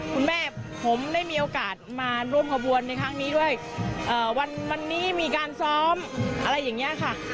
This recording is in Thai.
คุณแม่ผมได้มีโอกาสมาร่วมขบวนในครั้งนี้ด้วยวันนี้มีการซ้อมอะไรอย่างนี้ค่ะ